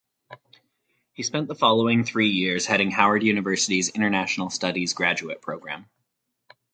He spent the following three years heading Howard University‘s international studies graduate program.